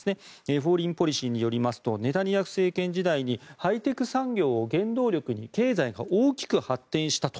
「フォーリン・ポリシー」によりますとネタニヤフ政権時代にハイテク産業を原動力に経済が大きく発展したと。